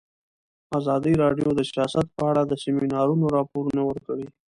ازادي راډیو د سیاست په اړه د سیمینارونو راپورونه ورکړي.